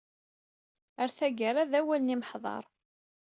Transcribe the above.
Ɣer taggara, d awal n yimeḥḍar.